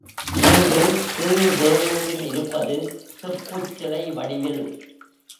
இங்கு கீழ் வேளூரில் இருப்பது செப்புச் சிலைவடிவில்.